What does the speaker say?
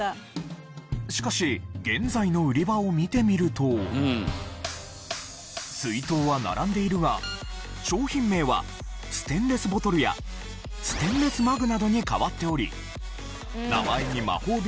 しかし水筒は並んでいるが商品名はステンレスボトルやステンレスマグなどに変わっており名前にえーっ！